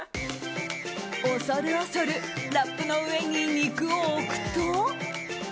恐る恐るラップの上に肉を置くと。